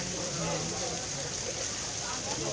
เข้ามาช่วย